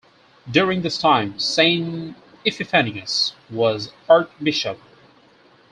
During this time Saint Epiphanius was Archbishop.